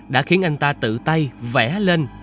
đã khiến anh ta tự tay vẽ lên